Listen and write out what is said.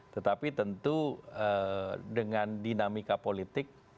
tetapi tentu dengan dinamika politik